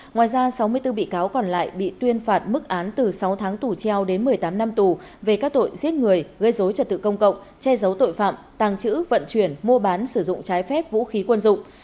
ngoài ra sáu mươi bốn bị cáo còn lại bị tuyên phạt mức án từ sáu tháng tù treo đến một mươi tám năm tù về các tội giết người gây dối trật tự công cộng che giấu tội phạm tàng trữ vận chuyển mua bán sử dụng trái phép vũ khí quân dụng